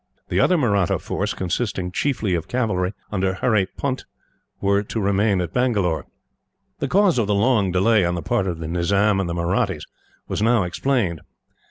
The other Mahratta force, consisting chiefly of cavalry, under Hurry Punt, were to remain at Bangalore. The cause of the long delay, on the part of the Nizam and the Mahrattis, was now explained.